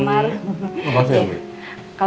terima kasih ya bu